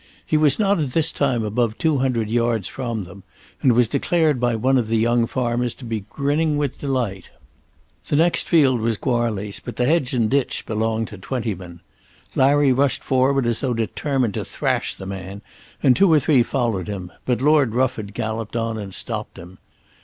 He was not at this time above two hundred yards from them, and was declared by one of the young farmers to be grinning with delight. The next field was Goarly's, but the hedge and ditch belonged to Twentyman. Larry rushed forward as though determined to thrash the man, and two or three followed him. But Lord Rufford galloped on and stopped them.